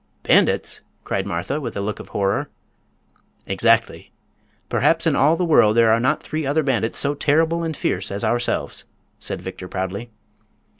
"Bandits!" cried Martha, with a look of horror. "Exactly. Perhaps in all the world there are not three other bandits so terrible and fierce as ourselves," said Victor, proudly.